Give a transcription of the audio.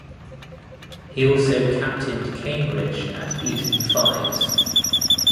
He also captained Cambridge at Eton Fives.